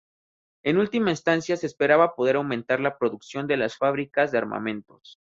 En última instancia se esperaba poder aumentar la producción de las fábricas de armamentos.